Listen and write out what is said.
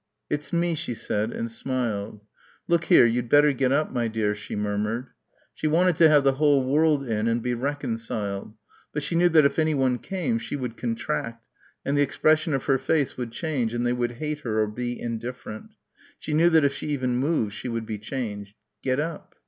"It's me," she said, and smiled. "Look here, you'd better get up, my dear," she murmured. She wanted to have the whole world in and be reconciled. But she knew that if anyone came, she would contract and the expression of her face would change and they would hate her or be indifferent. She knew that if she even moved she would be changed. "Get up."